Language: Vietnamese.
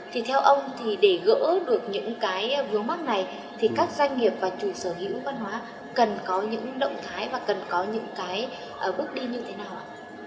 thì theo ông thì để gỡ được những cái vướng mắt này thì các doanh nghiệp và chủ sở hữu văn hóa cần có những động thái và cần có những cái bước đi như thế nào ạ